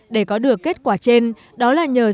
để có được kết quả trên đó là nhờ sự trị